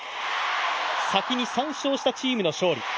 先に３勝したチームの勝利